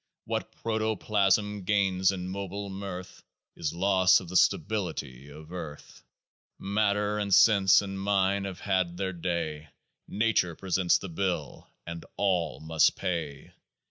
What protoplasm gains in mobile mirth Is loss of the stability of earth. Matter and sense and mind have had their day : Nature presents the bill, and all must pay.